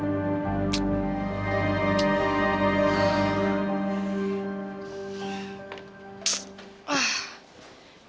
sampai jumpa di kopi ya